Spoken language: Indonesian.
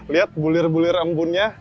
lihat bulir bulir embunnya